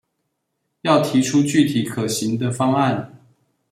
要提出具體可行的方案